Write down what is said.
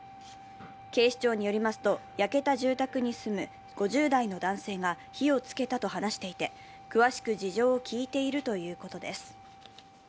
警視庁によりますと、焼けた住宅に住む５０代の男性が火をつけたと話していて、詳しく事情を聴いているということです。